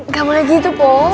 gama lagi itu pak